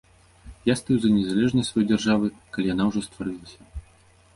Я стаю за незалежнасць сваёй дзяржавы, калі яна ўжо стварылася.